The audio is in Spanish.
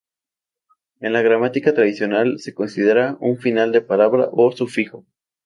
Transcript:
En la gramática tradicional, se considera un final de palabra, o sufijo.